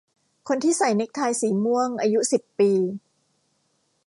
คนที่ใส่เนกไทสีม่วงอายุสิบปี